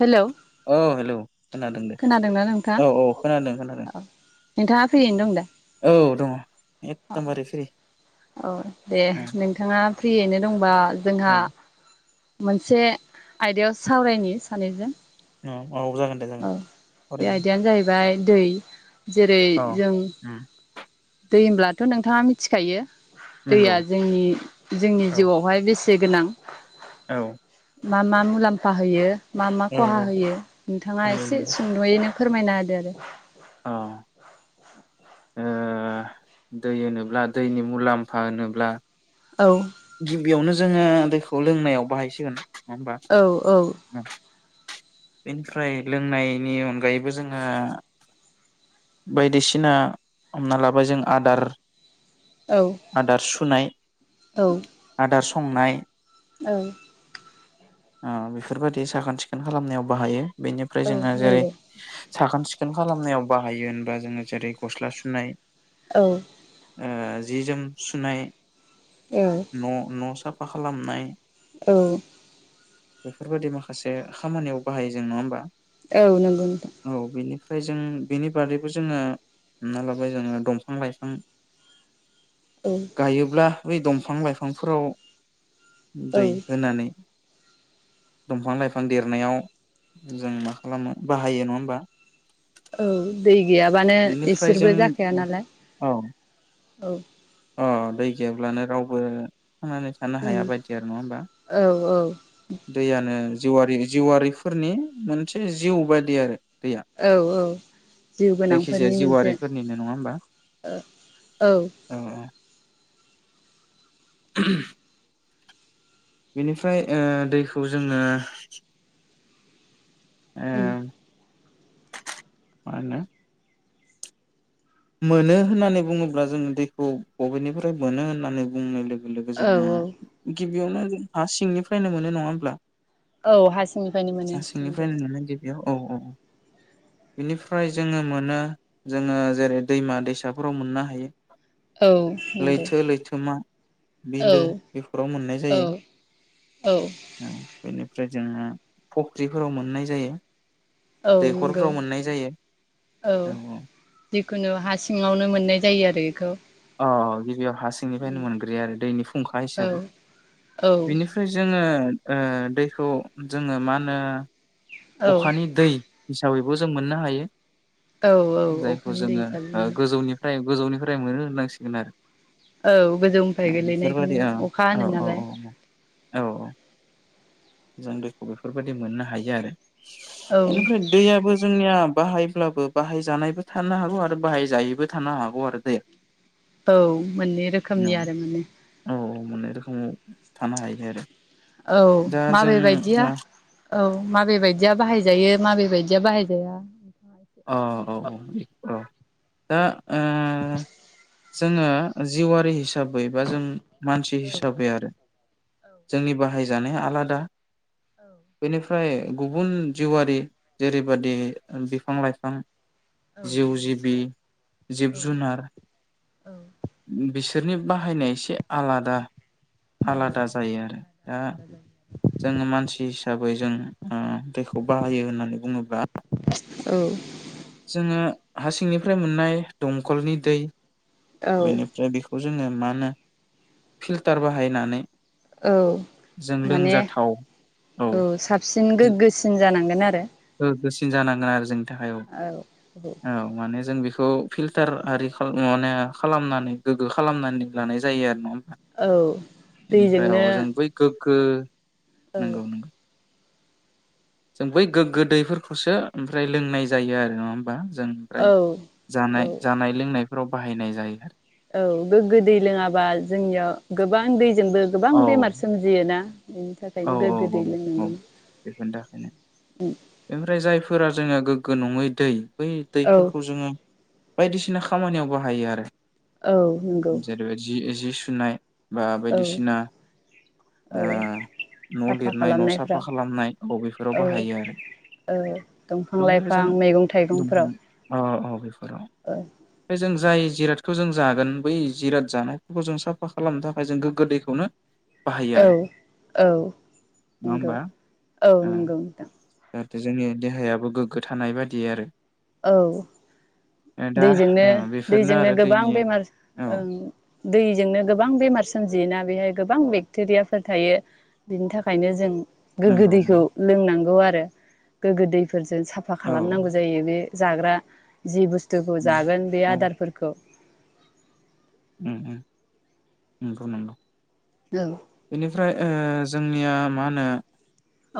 Hello औ hello खोनादों दे खोनादोंना औ औ खोनादों खोनादों। नोंथा फ्रियैनो दं दा। औ दङ एकदमबारै फ्रि औ दे औ नोंथाङा फ्रियैनो दंबा जोंहा औ मोनसे आयदायाव सावरायनि सानैजों औ जागोन दे जागोन औ बे सावराय जागोन आयदायानो जाहैबाय दै जेरै औ जों उम दै होनोमब्लाथ नोंथाङा मिथिखायो दैया नंगौ जोंनि औ जिउआवहाय बेसे बसे [unintelligible] गोनां औ मा मा मुलाम्फा होयो मा मा खहा नंगौ होयो नोंथाङा एसे नंगौ सुंदयैनो फोरमायना होदो आरो औ ओ दै होनोब्ला दैनि मुलाम्फा होनोब्ला औ गिबियावनो जोङो दैखौ लोंनायाव बाहायसिगोन नङा होमबा? आरो औ बेनिफ्राय लोंनायनि अनगायैबो जोङो बायदिसिना हमना लाबाय जों आदार औ आदार सुनाय औ आदार संनाय औ ओ बेफोरबादि साखोन सिखोन खालामनायाव बाहायो। बेनिफ्राय औ जोङो जेरै नंगौ साखोन सिख खोन खालामनायाव बाहायो होनबा जोङो जेरै गस्ला सुनाय औ ओ जि जोम सुनाय औ न' न' साब फा खालामनाय औ बेफोरबादि माखासे खामानियाव बाहायो जों नङा होमबा? औ नंगौ नोंथा फाय जों बेनि बादैबो जोङो हमना लाबाय जोङो दंफां-लाइफां औ गायोब्ला बै दंफां लाइफांफोराव औ दै होनानै दंफां-लाइफां देरनायाव जों मा खालामो बाहायो नङा होमबा? औ दै गैयाबानो बिनिफ्राय इसोरबो जों जाखाया नालाय औ औ। अ दै गैयाब्लानो रावबो। थांनानै थानो उम हाया बायदि आरो नङा होनबा औ औ दैयानो जिउवारि जिउवारिफोरनि मोनसे जिउ बादि आरो दैया औ औ जिउ जायखिजाया गोनांफोरनि मोनसे जिउआरिफोरनिनो नङा होमबा ओ औ [inaudible] [inaudible] बेनिफ्राय ओ दैखौ जोनो उम मानो? मोनो होननानै बुङोब्ला जोंङो दैखौ बबेनिफ्राय मोनो होननानै बुंनाय लोग लोगो औ जोङो औ गिब बेयावनो जों हा सिंनिफ्रायनो मोनो नङा होनोमब्ला? औ हारसिंनिफ्रायनो मोनो नोंगौ। सिंनिफ्रायनो मोनो गिबियाव औ औ बिनिफ्राय जोङो मोनो जोङो जेरै दैमा दैसाफोराव मोननो हायो औ नंगौ लैथो लैथोमा औ बिलो बेफोराव मोननाय औ जायो औ ओम बेनि ओमफ्राय जोङो फख्रिफोराव मोननाय जायो औ नंगौ दैखरफ्राव मोननाय जायो औ औ खुनु हा सिङावनो मोननाय जायो आरो बेखौ। अ गिबियाव हा सिंनिफ्रायनो उम मोनग्रोयो आरो दैनि फुंखा औ हिसाबै। औ बिनिफ्राय जोङो ओ दैखौ जोङो मा होनो औ अखानि दै हिसाबैबो जों मोननो हायो। औ औ जायखौ अखानि जोङो दैजों ओ उम गोजौनिफ्राय गोजौनिफ्राय मोनो होनब्ला सिगोन आरो औ गोजौनिफ्राय बेफोरबायदि गोलैनायखौनो औ अखा औ होनो नालाय औ औ जों दैखौ बेफोरबायदि मोननो हायो आरो औ बेनिफ्राय दैयाबो जोंनिया बाहायब्लाबो बाहाय जानायबो थानो हागौ आरो बाहाय जायैबो थानो हागौ आरो दैया। औ मोननै औ रोखोमनि आरो माने औ मोननै रोखोमाव थानो हायो आरो औ दा जों माबे बायदिया औ माबे बायदिया बाहायजायो माबे बायदिया बाहाय जाया अ औ औ औ औ दा ओ [inaudible] जोङो जिउआरि हिसा बै जों मानसि औ हिसाबै आरो औ जोंनि बाहाय जानाया आलादा औ बेनिफ्राय गुबुन जिउआरि जेरैबादि ओ बि फां लायफां औ जिउ नंगौ जिबि जिब औ जुनार बि बिसोरनि बाहायनाया एसे आलादा। आलादा जायो आरो दा जोङो मानसि हिसाबै जों ओ दैखौ बाहायो होननानै बुङोब्ला औ। जोङो हासिंनिफ्राय मोननाय दमखलनि दै औ बेनिफ्राय बिखौ जोङो मा होनो फिल्टार बाहायनानै औ जों माने लोंजाथाव औ साबसिन गोग्गोसिन जानांगोन। आरो गोसिन जानांगोन आरो जों थाखाय औ औ माने जों बेखौ फिल्टार आरि खाल माने खालामनानै गोग्गो खालामनानै लानाय जायो आरो नङा होम औ दैजोंनो गो नंगौ नंगौ। जों बै गोग्गो दैैफोरखौसो ओमफ्राय लोंनाय जायो आरो नङा होमबा? जों औ ओफ्राय जानाय औ जानाय लोंनाय फोराव बाहायनाय जायो ना औ गोगो दै लोङाबा जोंनियाव गोबां दै जोंबो गोबां औ बेमार सोमजियोना। बेनि औ थाखायनो गोग्गो औ दै औ लोंनांगोन उम। ओमफ्राय जायफोरा जोङो गोगो नङै दै बै औ दैफोरखौ जोङो बायदिसिना खामानियाव बाहायो आरो। औ नंगौ जेरैबायदि जि जि सुनाय बा औ बायदिसिना औ ओ न' साफा लिरनाय न' खालामनायफ्राव साफा खालामनाय ब बेफोराव औ बाहायो आरो। औ दंफां लाइफां मैगं-थाइगंफ्राव। अ अ बेफोराव। औ। ओमफ्राय जों जाय जिरादखौ जों जागोन बै जिराद जानायफोरखौ जों साफा खालामनो थाखाय जों गोग्गो दैखौनो बाहायो औ आरो औ नङा नंगौ होमबा औ नंगौ नोंथां। जाहाथे जोंनि देहायाबो गोग्गो थानाय बादि आरो। औ दा दैजोंनो ओ बेफोरनो दैजोंनो आरो गोबां दैनि बेमार औ ओं। दैजोंनो गोबां बेमार सोमजियोना बेहाय गोबां बेक्टेरियाफोर थायो बिनि थाखायनो जों गोग्गो नंगौ दैखौ लोंनांगौ आरो बे गोग्गो दै फोरजों साफा औ खालामनांगौ जायो बे जाग्रा जि बुस थुखौ जागोन बे आदारफोरखौ उम उम नंगौ नंगौ। औ बेनिफ्राय ओ जोंनिया मा होनो औ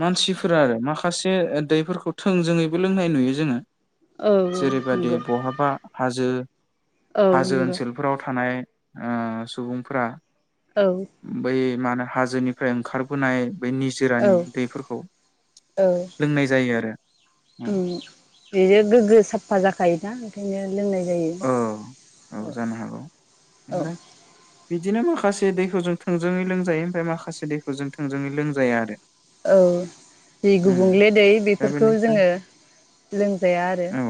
मानसिफोरा आरो माखा खासे दैफोरखौ थोंजोङैबो लोंनाय नुयो जोङो। औ जेरैबादि नंगौ बहाबा हाजो औ नंगौ। फ्राव थानाय ओ सुबुंफोरा औ उम बै मानो हाजोनिफ्राय ओंखारबोनाय बै औ निजोरानि दैफोरखौ औ लोंनाय जायो आरो उम बियो गोग्गो साफा जाखायोना? बियो। लोंनाय जायो औ औ जानो हागौ ओ ओ‌ ओमफ्राय बिदिनो माखासे दैखौ जों थोंजोङै लोंजायो ओमफाय माखासे दैखौ जों थोंजोङै लोंजाया आरो औ दै उम गुबुंले दै दा बेफोरखौ बेनिफ्राय जोङो लोंजाया आरो औ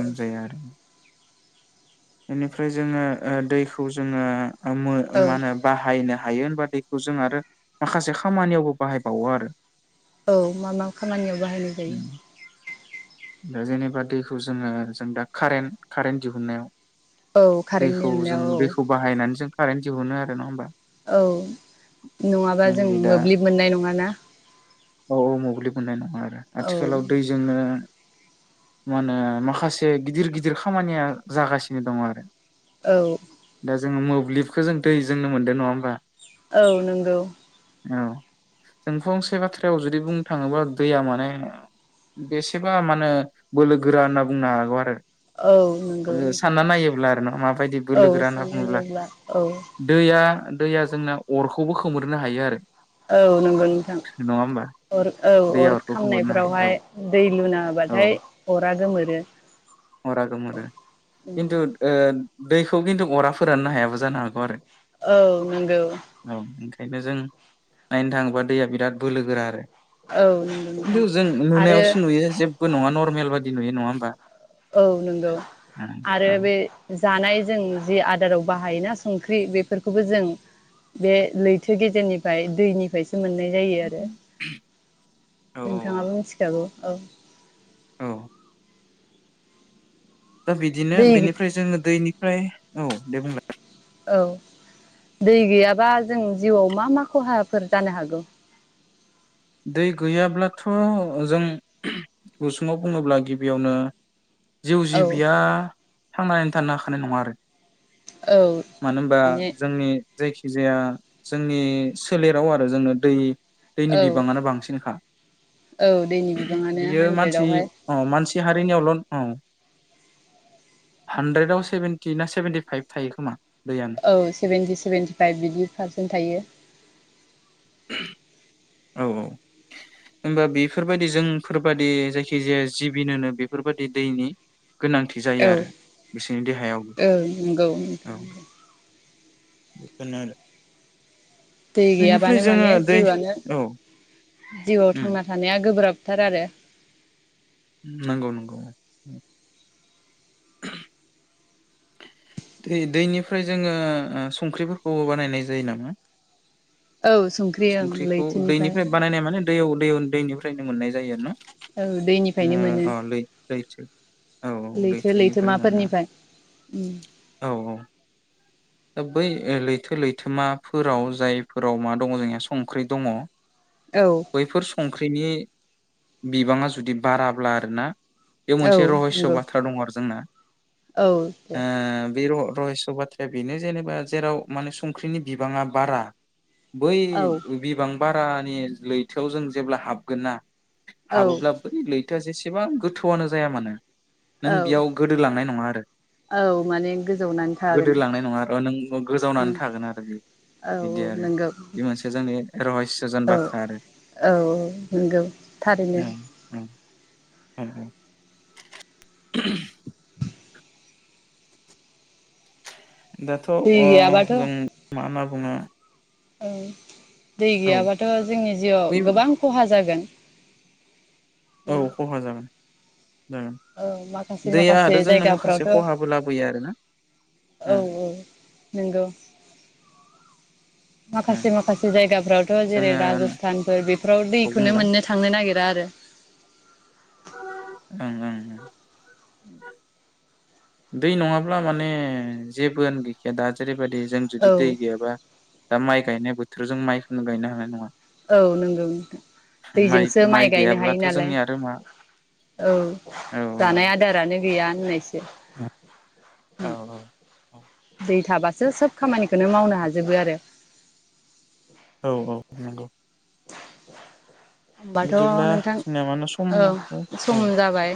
लोमजाया आरो [inaudible] बेनिफ्राय जोङो दैखौ जोङो आमो औ मा होनो बाहायनो हायो होनबा दैखौ जों आरो माखासे खामानियावबो बाहाय बावो आरो औ मा मा खामानियाव बाहायनो उम जायो। दा जेनेबा दैखौ जोङो जों दा कारेन्ट कारेन्ट औ दिहुननायाव कारेन्टनि दैखौ जों अनलायाव औ दैखौ बाहायनानै जों कारेनट दिहुनो आरो नंङा होनबा औ नङाबा जों मेनलि दा मोब्लिब मोननाय नङाना। औ औ मोब्लिब मोन्नाय नङा आरो औ आथिखालाव दैजोंनो मा होनो माखासे गिदिर गिदिर खामानिया जागासिनो दङ आरो औ जों मोब्लिबखौ जों दैजोंनो मोनदों नङा होमबा? औ नंगौ औ जों फंसे बाथ्रायाव जुदि बुंनो थाङोबा दैया माने बेसेबा माने बोलो गोरा होनना बुंनो हागौ आरो औ नोंगौ नोंथां मा बायदि औ बोलोगोरा होनना सानना बुङोब्ला नायोब्ला औ दैया दैया जोंना अरखौबो खोमोरनो हायो आरो औ नंगौ नोंथां नङा होमबा अर औ दैया अर अरखौ खोमोरनो हायो खामनायफोरावहाय औ दै लुना औ होबाथाय अरा गोमोरो अरा गोमरो खिन्थु ओ दैखौ खिन्थु अरा फोराननो हायाबो जानो हागौ आरो औ नोंगौ औ ओंखायनो जों नायनो थाङोब्ला दैया बिराद बोलो गोरा आरो औ नंगौ नोंथां खिन्थु जों आरो नुनायावसो नुयो जेबो नङा नरमेल बादि नुयो नङा होनोमबा? औ नंगौ आरो बे जानाय जों जि आदाराव बाहायोना संख्रि बेफोरखौबो जों बे लैथो गेजेरनिफ्राय दैनिफ्रायसो मोननाय जायो आरो [inaudible] नोंथाङाबो मिथिखागौ। औ औ दा बिदिनो दै बेनिफ्राय जोङो दैनि फ्राय औ दे बुंलाय औ दै गैयाबा जों जिउआव मा मा खहाफोर जानो हागौ? दै गैयाब्लाथ' जों गुसुङाव बुङोब्ला गिबियावनो जिउ औ जिबिया थांनानै थानो हाखानाय नङा आरो। औ मानो होनबा माने जोंनि‌ जायखि जाया जोंनि सोलेराव आरो जोंनो दै दैनि औ बिब बाङानो बांसिनखा। औ दैनि बिबाङानो बियो मानसि हानद्रेदावहाय अह मानसि हारिनियावल' नं हानद्रेदाव सेभेन्टि ना सेभेेन्टि फाइभ थायो खोमा। दैयानो औ सेभेेन्टि सेभेन्टि फाइभ बिदि फारसेन थायो। [inaudible] औ औ होनबा बेफोरबायदि जोंफोरबादि जायखिजाया जिबिनोनो बेफोरबादि दैनि गोनांथि जायो औ आरो बिसोरनि देहायावबो। औ नंगौ औ। [unintelligible] दै बेनिफ्राय गैयाबानो जोङो माने दै जिउआनो औ जिउआव उम थांना थानाया गोब्राब थार आरो। नंगौ नंगौ। दै दैनिफ्राय जोङो संख्रिफोरखौबो बानायनाय जायो नामा? औ संख्रि ओं संख्रिखौ लैथोनिफ्राय। दैनिफ्राय बानायनाय माने दैयाव दैयन दैनिफ्रायनो मोननाय जायो ना। औ दैनिफ्रायनो मोनो अह लै-लैथो औ लैथो लैथोनिफ्राय मोनो। लैथोमाफोरनिफ्राय उम औ औ। दा बै लैथो लैथोमाफोराव जायफोराव मा दङ जोंनिया संख्रि दङ औ बैफोर सं ख्रिनि बिबाङा जुदि बाराब्ला आरोना। बेयाव औ मोनसे रहयस' नंगौ बाथ्रा दङ आरो जोंना। औ दे। बि र-रहयस' बाथ्रा बेनो जेनेबा जेराव माने संख्रिनि बिबाङा बारा बै औ बिबां बारानि लैथोआव जों जेब्ला हाबगोन ना औ हाबोब्ला बै लै थोआ जेसेबां गोथौवानो जाया मानो नों औ बियाव गोदोलांनाय नङा आ [inaudible] औ माने गोजौनानै थागोन। नङार' नों उम गोजावनानै थागोन आरो बे औ बिदि आरो नंगौ बे मोनसे जोंनि रहयस'जन औ औ बाथ्रा आरो औ नंगौ थारैनो औ औ। [inaudible] दाथ' जों दै गैयाबाथ' मा होनना बुङो औ दै औ गैयाबाथ जोंनि बै जिउआव गोबां खहा जागोन। [inaudible] उम औ खहा जागोन जागोन औ माखासे दैया माखासे आरो जोंनो माखासे जायगाफ्रावथ औ खहाबो लाबोयो आरोना ओ औ नंगौ। ओ माखासे माखासे जायगाफ्रावथ जेरै जोङो राजस्थानफोर बेफोराव दैखौनो बुंला मोननो थांनो नागिरा [unintelligible] [unintelligible] [unintelligible] दै नङाब्ला माने जेबोआनो गैखाया दा जेरै बेबायदि जों औ जुदि दै गैयाबा दा माइ गायनाय बो थोर जों माइखौनो गायनो हानाय नङा औ नंगौ दैजोंसो माइ गायनो हायो गैयाब्लाथ' नालाय जोंनि आरो मा औ औ जानाय आदारानो गैया होननायसो उम औ औ दै थाबासो सोब खामानिखौनो मावनो हाजोबो आरो औ औ नंगौ [inaudible] होनबाथ बिदिब्ला नोंथां जोंना मानो सम औ सम औ जाबाय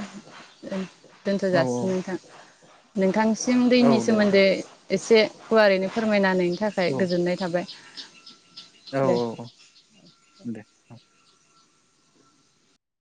उम दोनथ जासिगोन औ नोंथां नोंथां सिम औ दैनि दे दे सोमोन्दै एसे गुवारैनो फोरमायनानै थाखाय औ गोजोननाय थाबाय औ [inaudible] दे औ दे औ